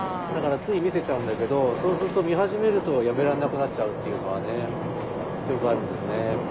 だからつい見せちゃうんだけどそうすると見始めるとやめられなくなっちゃうっていうのはねよくあるんですね。